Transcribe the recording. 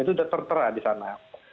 itu sudah tertera di sana